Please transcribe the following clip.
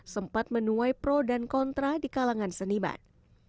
sempat menuai pro dan kontra di kalangan seniman